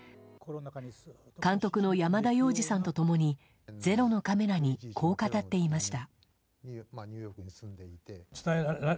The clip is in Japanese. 監督の山田洋次さんと共に「ｚｅｒｏ」のカメラにこう語っていました。